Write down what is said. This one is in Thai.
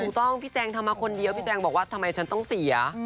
พี่แจงทำมาคนเดียวพี่แจงบอกว่าทำไมฉันต้องเสีย